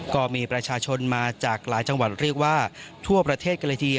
ก็มีประชาชนมาจากหลายจังหวัดเรียกว่าทั่วประเทศกันเลยทีเดียว